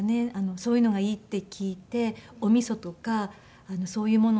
そういうのがいいって聞いておみそとかそういうものを自分で作るようにしてます。